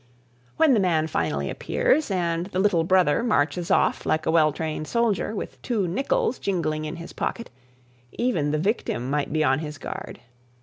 When the man finally appears, and the little brother marches off like a well trained soldier, with two nickels jingling in his pocket, even the victim might be on his guard.